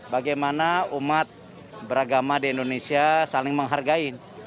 bagaimana umat beragama di indonesia saling menghargai